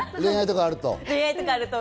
恋愛とかあると？